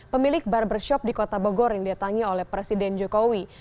pemilik barbershop di kota bogor yang didatangi oleh presiden jokowi